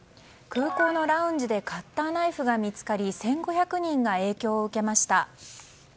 空港のラウンジでカッターナイフが見つかり１５００人が影響を受けました。